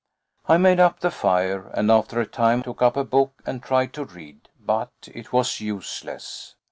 I made up the fire, and after a time took up a book, and tried to read, but it was useless.